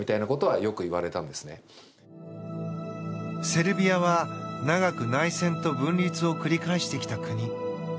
セルビアは長く内戦と分裂を繰り返してきた国。